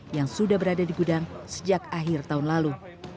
yang sudah berada di gudang sejak akhir tahun lalu